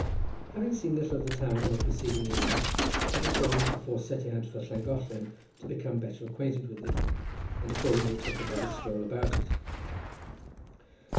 Having seen little of the town on the preceding evening, I determined before setting out for Llangollen to become better acquainted with it, and accordingly took another stroll about it.